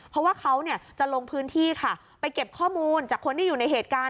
เพราะว่าเขาจะลงพื้นที่ค่ะไปเก็บข้อมูลจากคนที่อยู่ในเหตุการณ์